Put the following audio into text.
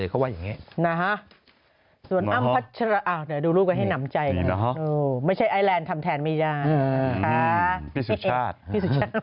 พี่สุชาติกลับรถ